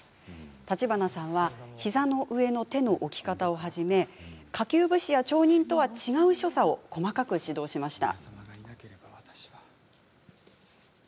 橘さんは膝の上の手の置き方をはじめ下級武士や町人とは違う所作を細かく指導しました。